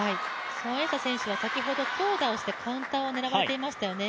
孫エイ莎選手は先ほど強打をして、カウンターを狙われていましたよね。